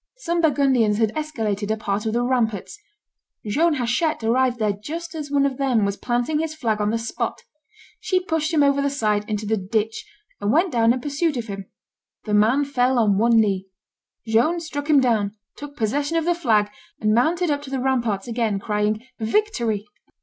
Some Burgundians had escaladed a part of the ramparts; Joan Hachette arrived there just as one of them was planting his flag on the spot; she pushed him over the side into the ditch, and went down in pursuit of him; the man fell on one knee; Joan struck him down, took possession of the flag, and mounted up to the ramparts again, crying, "Victory!"